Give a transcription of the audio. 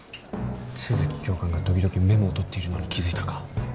都築教官が時々メモを取っているのに気付いたか？